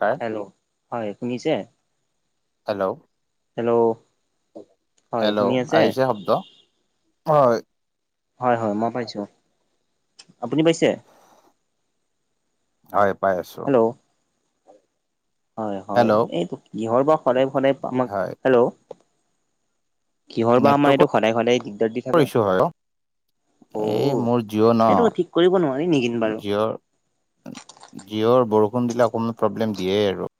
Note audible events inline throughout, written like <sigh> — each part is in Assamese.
কাৰ হেল্ল' হয় শুনিছে? হেল্ল' হেল্ল' হয় শুনি হেল্ল' আছে আহিছে শব্দ হয়। হয় হয় মই পাইছোঁ, আপুনি পাইছে? হয় পাই আছো। হেল্ল' হয় হয় হেল্ল' এইটো কিহৰ পৰা সদায় সদায় আমাক হয় হেল্ল' কিহৰ বা আমাৰ নেটৱৰ্কৰ এইটো সদায় সদায় দিগদাৰ দি থাকে। ইছ্যু হয় অ। অ এই মোৰ জিঅ' ন সেইটো ঠিক কৰিব নোৱাৰি নেকি বাৰু? যিঅৰ বৰষুণ দিলে অকমান প্ৰব্লেম দিয়ে আৰু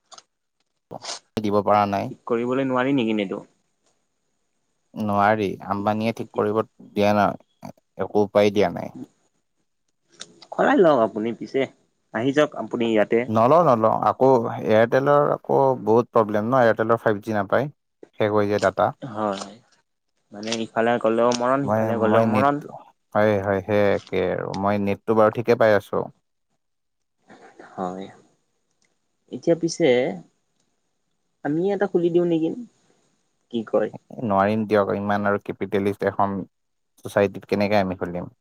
দিব পৰা নাই। ঠিক কৰিবলৈ নোৱাৰি নেকি এইটো। নোৱাৰি আম্বানীয়ে ঠিক এতিয়া কৰিব দিয়া নাই, একো উপায় দিয়া নাই। কৰাই লওক আপুনি পিছে, আহি যাওক আপুনি ইয়াতে। নলওঁ নলওঁ আকৌ এয়াৰটেলৰ আকৌ বহুত প্ৰব্লেম ন এয়াৰটেলৰ ফাইভ জি নাপায়। শেষ হৈ যায় তাত। হয় মানে ইফালে গ'লেও মৰণ মই সিফালে মই গ'লেও নেট মৰণ। হয় হয় সেই একে আৰু মই নেটটো বাৰু ঠিকে পাই আছো। হয়, এতিয়া পিছে আমি এটা খুলি দিওঁ নেকি কি কয়। নোৱাৰিম দিয়ক। ইমান আৰু কেপিটেলিষ্ট এখন চচাইটিত কেনেকে আমি খোলিম।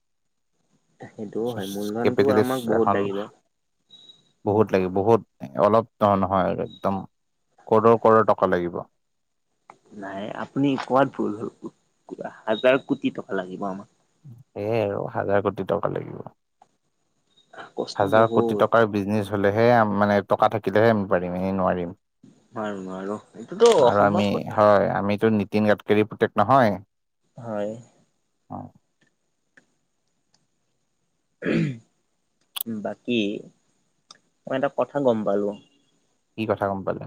সেইটোও হয় মূলধনটো কেপিটেলিষ্ট আমাক বহুত এখন লাগিব বহুত লাগে বহুত অলপ নহয় আৰু একদম কৰ'ৰ ক'ৰৌৰ টকা লাগিব। নাই আপুনি কোৱাত ভুল হাজাৰ কোটি টকা লাগিব আমাক। হেইয়ে আৰু হাজাৰ কোটি টকা লাগিব কষ্ট হাজাৰ কোটি বহুত টকাৰ বিজনেছ হলেহে মানে টকা থাকিলেহে আমি পাৰিম, এনেই নোৱাৰিম। নোৱাৰো নোৱাৰো এইটোতো আৰু অসম্ভৱ আমি কথা। হয় আমিতো নীতিন গাডকাৰী পুতেক নহয়। হয়। অ বাকী মই এটা কথা গম পালো। কি কথা গম পালে?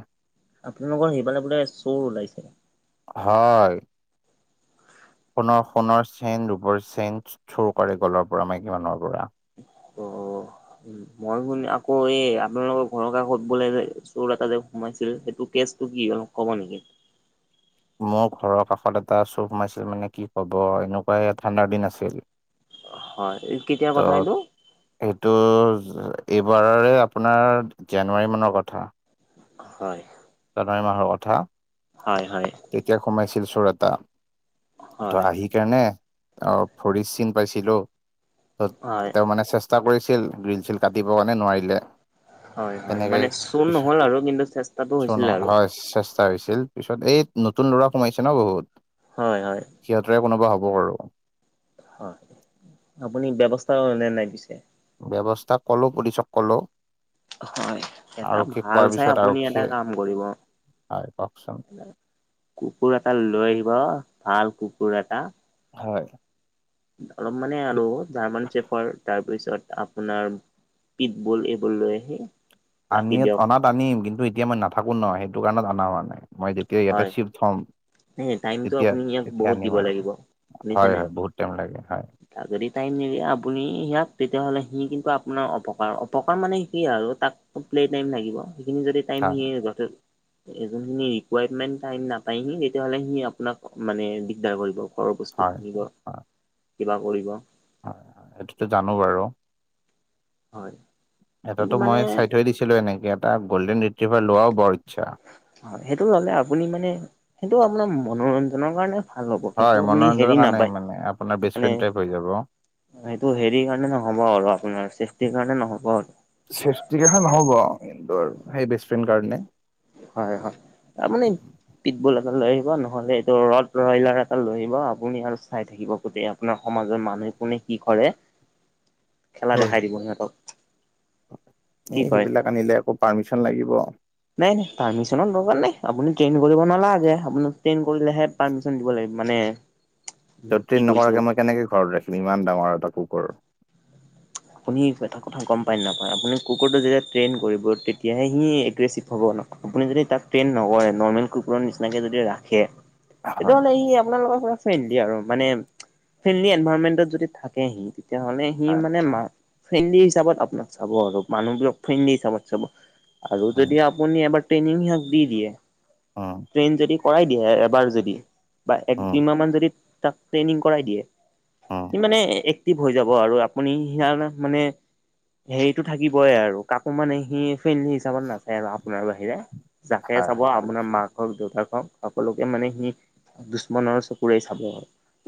আপোনালোকৰ সেইফালে বোলে চোৰ ওলাইছে। হয়। সোণৰ সোণৰ চেন ৰূপৰ চেন চুৰ কৰে গলৰ পৰা মাইকী মানুহৰ পৰা। অ অ। উ মই শুন আকৌ এই আপোনালোকৰ ঘৰৰ কাষত বোলে যে, চোৰ এটা যে সোমাইছিল সেইটো কেচটো কি হল? ক'ব নেকি? মোৰ ঘৰৰ কাষত এটা চুৰ হোমাইছিল মানে কি ক'ব এনেকুৱা এ ঠাণ্ডাৰ দিন আছিল। হয়, কেতিয়াৰ ত' কথা এইটো? সেইটো এইবাৰৰে আপোনাৰ জানুৱাৰী মানৰ কথা। হয়। জানুৱাৰী মাহৰ কথা। হয় হয়। তেতিয়া সোমাইছিল চোৰ এটা ত হয় আহি। সকাৰণে অ ভৰিত চিন পাইছিলো হয় তেওঁ মানে- চেষ্টা কৰিছিল গ্ৰীল চিল কাটিবৰ কাৰণে নোৱাৰিলে। হয় হয় তেনেকে মানে চুৰ পিছত নহল আৰু কিন্তু চেষ্টা চোৰ নহয় হয় চেষ্টা হৈছিল পিছত এই নতুন ল'ৰা সোমাইছে ন বহুত হয় হয়। সিহঁতেৰ কোনোবা হ'ব বাৰু হয় আপুনি ব্যৱস্থা নে নাই পিছে। ব্যৱস্থা কলো পছিক কলো হয় এটা আৰক্ষীক ভাল কোৱাৰ চাই পিছত আপুনি এটা আৰক্ষীয়ে কাম কৰিব। হয় কওকচোন। কুকুৰ এটা লৈ আহিব ভাল কুকুৰ এটা হয়। অলপ মানে আৰু জাৰ্মান চেপৰ তাৰপিছত আপোনাৰ পিত বল এইবোৰ লৈ আহি। ৰাখি আনিম দিয়ক অনাত আনিম কিন্তু এতিয়া মই নাথাকো ন সেইটো কাৰণত অনা হোৱা নাই মই যেতিয়া ইয়াতে হয়। চিফ্ট থম টাইমটো তেতিয়া আপুনি ইয়াক তেতিয়া বহুত আনিম দিব আৰু লাগিব। হয় হয় বহুত টাইম লাগে হয়। তাক যদি টাইম নিদিয়ে আপুনি সিয়াক তেতিয়াহ'লে সি কিন্তু আপোনাৰ অপকাৰ অপকাৰ মানে কি আৰু তাক প্লে টাইম লাগিব সেইখিনি যদি টাইম হয় হে জটিল এজনী ৰিকুৱাৰমেন্ট টাইম নাপায় সি। তেতিয়াহলে সি আপোনাক মানে দিগদাৰ কৰিব ঘৰ বস্তু হয় ভাঙিব হয় হয় কিবা কৰিব। হয় এইটোতো জানো। বাৰু হয়। কিন্তু এটাটো মানে মই চাই থৈ দিছিলো এনেকে এটা গ'ল্ডেন ৰিট্ৰিভাৰ লোৱাও বৰ ইচ্ছা। হয় সেইটো ললে আপুনি মানে সেইটো আপোনাৰ মনোৰঞ্জনৰ কাৰণে- ভাল হ'ব হয় কিন্তু আপুনি মনোৰঞ্জনৰ হেৰি কাৰণে নাপায় মানে আপোনাৰ বেষ্ট মানে। ফ্ৰেণ্ড টাইপ হৈ যাব সেইটো হেৰি কাৰণে নহব আৰু আপোনাৰ চেফটিৰ কাৰণে নহব। আৰু- চেপটি জেগা নহ'ব আৰু কিন্তু আৰু সেই বেষ্ট ফ্ৰেণ্ড কাৰণে- হয় হয় তাৰমানে। পিটবল এটা লৈ আহিব নহ'লে এইটো ৰদ ৰয়লাৰ এটা লৈ আহিব আপুনি আৰু চাই থাকিব। গোটেই আৰু আপোনাৰ সমাজৰ মানুহে কোনে কি কৰে খেলা হয় দেখাই দিব সিহঁতক- কি এই কয় সেইবিলাক আনিলে আকৌ পাৰ্মিচন লাগিব। নাই নাই পাৰ্মিচনৰ দৰকাৰ নাই আপুনি ট্ৰেইন কৰিব নালাগে আপুনি ট্ৰেইন কৰিলেহে পাৰ্মিচন দিব লাগিব মানে। ত কি ট্ৰেইন কৈছো নকৰাকে মই কেনেকে ঘৰত ৰাখিম ইমান ডাঙৰ এটা কুকৰ- আপুনি এটা কথা গম পায়নে নাপায় আপুনি কুকৰটো যেতিয়া ট্ৰেইন কৰিব তেতিয়াহে সি এগ্ৰেছিভ হ'ব ন আপুনি যদি তাক ট্ৰেইন নকৰে নৰ্মেল কুকুৰৰ নিচিনাকে যদি ৰাখে। সেইটো হয় হ'লে সি আপোনালোকৰ ঘৰত ফ্ৰেণ্ডলি আৰু মানে ফ্ৰেণ্ডলি এনভাইৰনমেন্টত যদি থাকে সি তেতিয়াহ'লে সি হয় মানে। <unintelligible> ফ্ৰেণ্ডলি হিচাপত আপোনাক চাব আৰু মানুহবোৰক ফ্ৰেণ্ডলি হিচাপত চাব আৰু হয়। যদি আপুনি এবাৰ ট্ৰেইনিং সিসতি দিয়ে। অ ট্ৰেইন যদি কৰাই দিয়ে। এবাৰ যদি বা এক উম, দুইমাহমান যদি তাক ট্ৰেইনিং কৰাই দিয়ে। উম, সি মানে এক্টিভ হৈ যাব আৰু আপুনি সি মানে, হেৰিটো থাকিবই আৰু কাকো মানে সি ফ্ৰেইণ্ডলি হিচাপত নাচায় আৰু আপোনাৰ বাহিৰে। জাকে হয়, চাব হয়, বুজিছো। আপোনাৰ মাক। হওঁক দেউতাক হওঁক সকলোকে মানে সি দুশ্মনৰ চকুৰে চাব।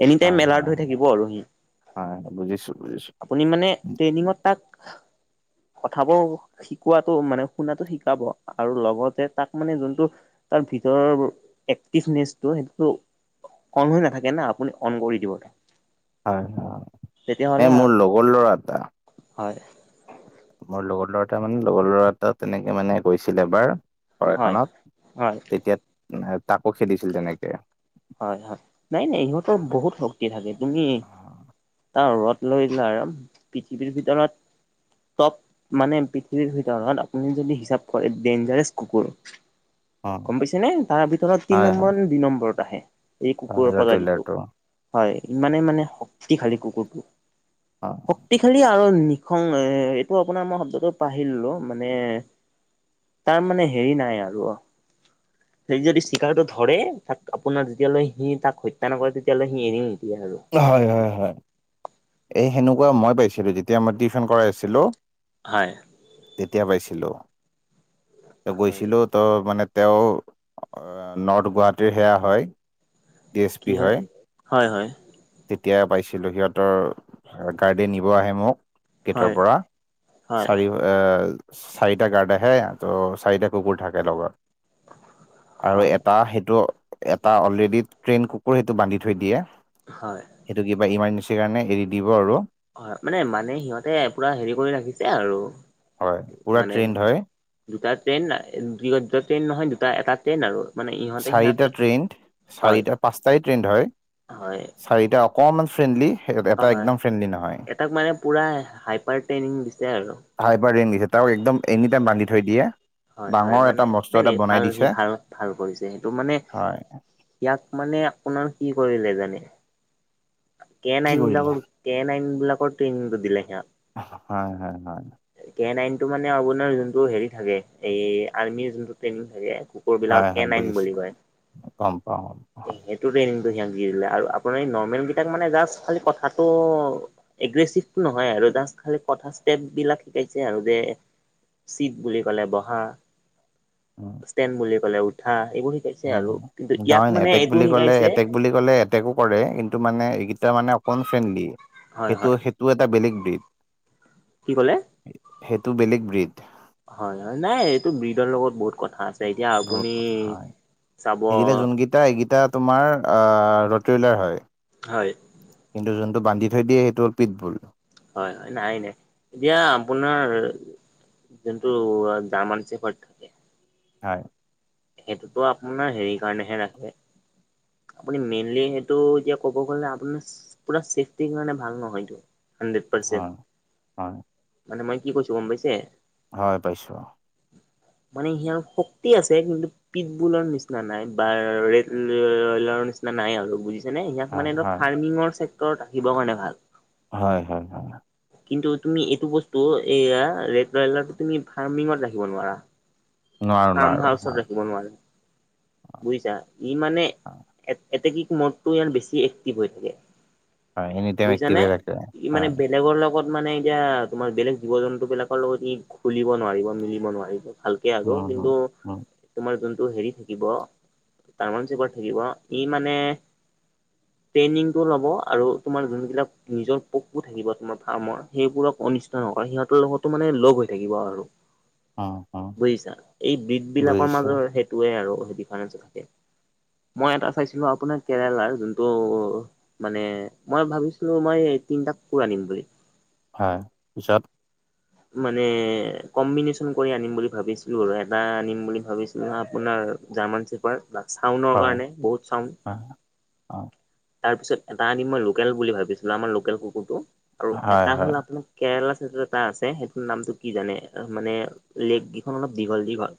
এনি টাইম হয় এলাৰ্ট হয় হৈ থাকিব আৰু সি হয় বুজিছো বুজিছো। আপুনি মানে ট্ৰেইনিঙত তাক কথাবোৰ। শিকোৱাটো মানে শুনাটো শিকাব আৰু লগতে তাক মানে যোনটো, তাৰ ভিতৰ এক্টিভনেচটো সেইটো। অন হৈ নাথাকে না আপুনি অন কৰি দিব। হয় হয় তেতিয়াহ'লে এই মোৰ লগৰ ল'ৰা এটা। হয়। মোৰ লগৰ ল'ৰা এটা মানে লগৰ ল'ৰা এটা তেনেকে মানে কৈছিল এবাৰ। ঘৰ হয় হয় এখনত তেতিয়া তাকো খেদিছিল তেনেকে। হয় হয় নাই নাই ইহঁতৰ বহুত শক্তি থাকে তুমি। অ', তাৰ <unintelligible> আৰু পৃথিৱীৰ ভিতৰত টপ, মানে পৃথিৱীৰ ভিতৰত আপুনি যদি হিচাপ কৰে ডেঞ্জাৰেছ কুকুৰ। গম পাইছে নে তাৰ ভিতৰত তিনি হয়, হয়, নম্বৰ দুই নম্বৰত আহে এই হয়, কুকুৰৰ প্ৰজাতিটো। ৰতইলাৰটো হয় ইমানেই মানে শক্তিশালী কুকুৰটো। অ, শক্তিশালী আৰু নিশং এ এইটো আপোনাৰ মই শব্দটো পাহৰিলো মানে তাৰ মানে হেৰি নাই আৰু অ, সেই যদি শিকাৰটো ধৰে তাত আপোনাৰ, তেতিয়ালৈকে সি তাক হত্যা নকৰে তেতিয়ালৈলে সি এৰিয়ে নিদিয়ে আৰু হয় হয় হয়। এই সেনেকুৱা মই পাইছিলো যেতিয়া মই টিউশন কৰাই আছিলো। হয়। তেতিয়া পাইছিলো হয় গৈছিলো। ত' মানে তেওঁ নৰ্থ গুৱাহাটীৰ সেয়া হয়। ডি কি হয় হয় হয়। তেতিয়া পাইছিলোঁ সিহঁতৰ গাৰ্ডে নিব আহে মোক। গেটৰ হয় পৰা হয় চাৰি এ চাৰিটা গাৰ্ড আহে ত' চাৰিটা কুকুৰ থাকে লগত। আৰু হয় এটা সেইটো এটা অলৰেডি ট্ৰেইন কুকুৰ সেইটো বান্ধি থৈ দিয়ে। হয়। সেইটো কিবা ইমাৰ্জেঞ্চিৰ কাৰণে এৰি দিব আৰু হয় মানে মানে সিহঁতে পুৰা হেৰি কৰি ৰাখিছে আৰু হয় পুৰা মানে ট্ৰেইনড হয় দুটা ট্ৰেইন দুই দুটা ট্ৰেইন নহয় দুটা এটা ট্ৰেইন আৰু মানে ইহঁতে সিয়াক চাৰিটা ট্ৰেইণ্ড হয় চাৰিটা পাঁচটাই ট্ৰেইণ্ড হয়। হয় চাৰীটা অকণমান ফ্ৰেণ্ডলি এটা একদম ফ্ৰেণ্ডলি নহয়। তাক মানে পুৰা হাইপাৰ ট্ৰেইনিং দিছে আৰু হাইপাৰ ৰে দিছে তাক একদম এনি টাইম বান্ধি থৈ দিয়ে। হয় হয় ডাঙৰ এটা মানে মস্ত নাই এটা নাই বনাই ভাল সি দিছে ভাল ভাল কৰিছে সেইটো মানে। হয় ইয়াক মানে আপোনাৰ কি কৰিলে জানে। কে কি নাইন কৰিলে বিলাকৰ কে নাইন বিলাকৰ ট্ৰেইনিংটো দিলে সিহত, হয় হয় হয়। কে নাইনটো মানে আপোনাৰ যোনটো হেৰি থাকে এই আৰ্মিৰ যোনটো ট্ৰেইনিং থাকে কোৰ বিলাকক হয়, কে হয়, নাইন বুজিছো বুলি কয় গম পাওঁ হয়, সে টুডেণ্টটো সিহঁতক দি দিলে আৰু আপোনাৰ নৰ্মেল কেইটাক মানে জাষ্ট খালি কথাটো এগ্ৰেচিভটো নহয় আৰু জাষ্ট খালি কথা ষ্টেপবিলাক শিকাইছে আৰু যে চিট বুলি ক'লে বহা উম, ষ্টেণ্ড বুলি কলে উঠা এইবোৰ শিকাইছে উম। আৰু কিন্তু নহয় ইয়াক মানে এটেক এইটোও বুলি ক'লে শিকাইছে এটেক বুলি কলে এটেকো কৰে কিন্তু মানে এইকেইটা মানে অকন ফ্ৰেণ্ডলি হয় সেইটো হয় সে টো এটা বেলেগ দেট কি ক'লে সেইটো বেলেগ ব্ৰীদ হয় হয় নাই এইটো ব্ৰীডৰ লগত বহুত কথা আছে এতিয়া বহুত আপুনি চাব টা এইকেইটা তোমাৰ অ ৰতইলাৰ হয় হয় কিন্তু যোনটো বান্ধি থৈ দিয়ে সেইটো হল পিতবুল হয় হয় নাই নাই এতিয়া আপোনাৰ যোনটো দামান চেপত হয় সেইটোতো আপোনাৰ হেৰি কাৰণেহে ৰাখে আপুনি মেইনলি সেইটো এতিয়া ক'ব গ'লে আপোনাৰ পুৰা চেফটিৰ কাৰণে ভাল নহয়তো হানড্ৰেড হয়, পাৰ্চেট হয়, মানে মই কি কৈছো গম পাইছে হয় পাইছো মানে সিয়াৰ শক্তি আছে কিন্তু পিটবুলৰ নিচিনা নাই বা ৰেলৰ নিচিনা নাই আৰু বুজি যেনে ইয়াক হয়, মানে এটা হয়, ফাৰ্মিঙৰ চেক্টৰত ৰাখিবৰ কাৰণে ভাল হয় হয় হয় কিন্তু তুমি এইটো বস্তু এইয়া ৰেড ৰয়লাৰটো তুমি ফাৰ্মিঙত ৰাখিব নোৱাৰা নোৱাৰো ফাৰ্ম নোৱাৰো হাউচত হয়। ৰাখিব নোৱাৰে হয়, বুজিছা ই মানে হয়, এটকীক মদতো ইয়াৰ বেছি এক্টিভ হৈ থাকে হয়। এনি টাইম বুজিছানে এক্টিভে থাকে ই মানে হয়, বেলেগৰ লগত মানে এতিয়া তোমাৰ বেলেগ জীৱ জন্তু বিলাকৰ লগত ই খুলিব নোৱাৰিব মিলিব নোৱাৰিব হালকে আগ উম, উম, কিন্তু উম, তোমাৰ যোনটো হেৰি থাকিব ডাইমন চেপৰ থাকিব ই মানে ট্ৰেইনিংটো ল'ব আৰু তোমাৰ যোনবিলাক নিজৰ পোকবোৰ থাকিব তোমাৰ ফাৰ্মৰ সেইবোৰক অনিষ্ট অ সিহঁতৰ লগতো মানে লগ হৈ থাকিব আৰু উম, উম, বুজিছা এই বিড বিলাকৰ বুজিছো। মাজৰ সেইটোয়ে আৰু ডিফাৰেঞ্চ থাকে মই এটা চাইছিলো আপোনাৰ কেৰেলাৰ যোনটো মানে মই ভাবিছিলো মই তিনটা কুকুৰ আনিম বুলি হয় পিছত মানে কম্বিনেচন কৰি আনিম বুলি ভাবিছিলো আৰু এটা আনিম বুলি ভাবিছিলো আপোনাৰ জাৰ্মান চিপাৰ চাউণ্ডৰ হয়, কাৰণে বহুত চাউণ্ড হয়, হয়, তাৰপিছত এটা আনিম মই লোকেল বুলি ভাবিছিলো আমাৰ লোকেল কুকুৰটো আৰু হয়, এটা হয়, হ'ল আপোনাৰ কেৰেলা চাইতৰ এটা আ ছে সেইটো নামটো কি জানে মানে লেক কেইখন অলপ দীঘল দীঘল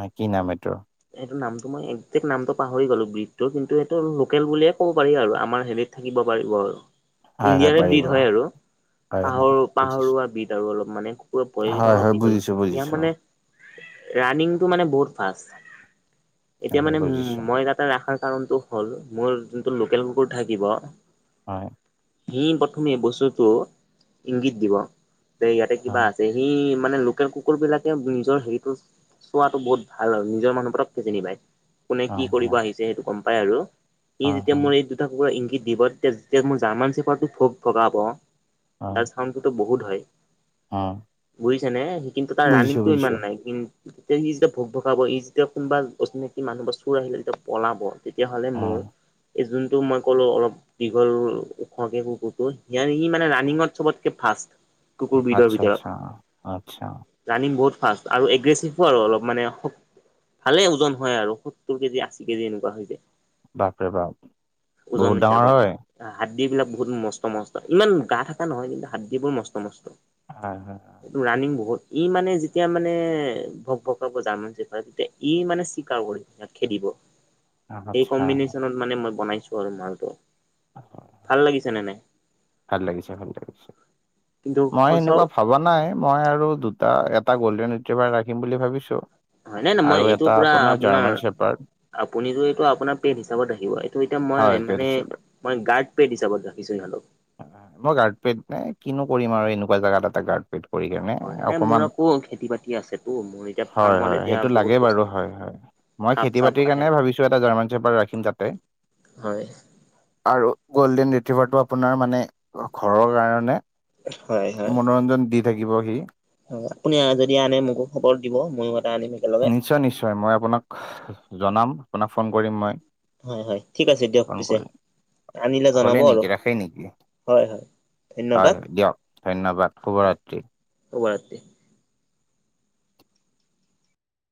অ কি নাম এইটোৰ সেইটো নামটো মই একজেক্ট নামটো পাহৰি গ'লো ব্ৰিডটোৰ কিন্তু এইটো লোকেল বুলিয়ে ক'ব পাৰি আৰু আমাৰ হেৰিত থাকিব পাৰিব আৰু হয়, হয়, ইণ্ডিয়াৰে পাৰিব। বিদ হয় আৰু হয়, হয়, পাহৰ বুজিছো। পাহৰুৱা বিদ আৰু অলপ মানে কুকুৰৰ হয়, ভৰিগিখন অলপ হয়, দীঘল বুজিছো, দীঘল ইয়াৰ বুজিছো। মানে ৰানিংটো মানে বহুত ফাষ্ট হয়, এতিয়া হয়, মানে বুজিছো। মই তাত টা ৰাখাৰ কাৰণটো হ'ল মোৰ যোনটো লোকেল কুকুৰ থাকিব হয় সি প্ৰথমে বস্তুটো ইংগিত দিব যে ইয়াতে কিবা হয়, আছে সেই মানে লোকেল কুকুৰ বিলাকে নিজৰ হেৰিটো চোৱাটো বহুত ভাল আৰু নিজৰ মানুহবোৰক এ চিনি পায় কোনে কি হয়, কৰিব হয়, আহিছে সেইটো গম পাই আৰু ই হয়, যেতিয়া হয়, মোৰ এই তা কুকুৰে ইংগিত দিব তেতিয়া মোৰ জাৰ্মান চেফাৰ টো ঠগ ঠগাব তাছত ফামটোত বহুত হয় অ বুজিছে নে সি কিন্তু তাৰ ৰানিংটো ইমান নাই কিন্ত তেতিয়া সি যেতিয়া ভোক ভকাব ই যেতিয়া কোনবা অচিনাকি মানুহ বা চোৰ আহিলে যেতিয়া পলাব তেতিয়াহ'লে মোৰ অ', এই যোনটো মই ক'লো অলপ দীঘল ও ওখকে কুকুৰটো সিআ সি মানে ৰাণিঙত চবতকে ফাষ্ট কুকুৰবিদৰ আচ্ছা, আচ্ছা, আচ্ছা, ভিতৰত ৰানিং বহুত ফাষ্ট আৰু এগ্ৰেচিভো আৰু অলপ মানে ভালে ওজন হয় আৰু সত্তৰ কেজি আশী কেজি এনেকুৱা হৈ যায় বাপৰে বাপ বহুত ডাঙৰ হয় হাড়দিবিলাক বহুত মস্ত মস্ত ইমান গা থকা নহয় কিন্তু হাড়দিবোৰ মস্ত মস্ত হয় হয় হয় এইটো ৰাণিং বহুত ই মানে যেতিয়া মানে ভক ভকাব যাম যেপাৰটোতে ই মানে চিকাও কৰে তাক খেদিব এই আচ্ছা। কম্বিনেশ্যনত মানে মই বনাইছো আৰু মালটো অ হঅ ভাল লাগিছেনে নাই ভাল লাগিছে ভাল লাগিছে কিন্তু মই খৰচাও এনেকুৱা ভবা নাই মই আৰু দুটা এটা গল্ডেন ইউট্ৰভাৰ ৰাখিম বুলি ভাবিছোঁ হয় নাই নাই মই এইটো পুৰা আপোনাৰ চেপাৰ্ড। আপুনি যে এইটো আপোনাৰ পেড হিচাপত ৰাখিব এইটো এতিয়া হয় মই পেড মানে হিচাপে। মই গাৰ্ড পেড হিচাপত ৰাখিছো সিহতক মই গাৰ্ডপেড নে কিনো কৰিম আৰু এনেকুৱা জাগা এটাত গাৰ্ড সেটো কৰি কিনে হয় নে মোৰ অকমান আকৌ খেতি বাতি আছেতো মোৰ এতিয়া হয় ফাৰ্মত হয় এতিয়া সেইটো বহুত লাগে বস্তু বাৰু হয় থাকে হয় মই খাপ খেতি চাপ বাতিৰ আহে কাৰণে ভাবিছো এটা জাৰ্মান চেফাৰ ৰাখিম তাতে হয় আৰু গ'ল্ডেন ৰিথিভাৰটো আপোনাৰ মানে ঘৰৰ কাৰণে হয় হয় মনোৰঞ্জন দি থাকিব সি হয় আপুনি যদি আনে মোকো খবৰ দিব ময়ো এটা আনিম একেলগে নিশ্চয় নিশ্চয় মই আপোনাক জনাম আপোনাক ফ'ন কৰিম মই হয় হয় ঠিক আছে দিয়ক ফোন পিছে কৰিম। আনিলে হ'লে জনাব আৰু নেকি ৰাখে নেকি হয় হয় ধন্যবাদ হয় দিয়ক ধন্যবাদ শুভৰাত্ৰি শুভৰাত্ৰী